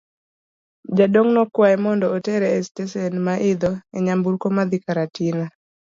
Jaduong' nokwaye mondo otere e sitesen ma iidho e nyamburko madhi Karatina.